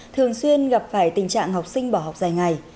thường xuyên gặp phải tình trạng học sinh bỏ học dài ngày